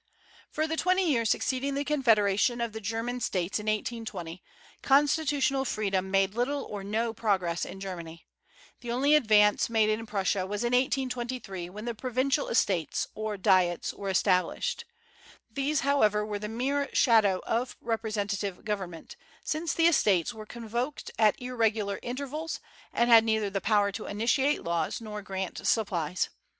For the twenty years succeeding the confederation of the German States in 1820, constitutional freedom made little or no progress in Germany. The only advance made in Prussia was in 1823, when the Provincial Estates, or Diets, were established. These, however, were the mere shadow of representative government, since the Estates were convoked at irregular intervals, and had neither the power to initiate laws nor grant supplies.